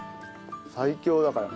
最強だから。